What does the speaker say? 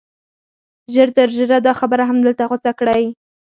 ژر تر ژره دا خبره همدلته غوڅه کړئ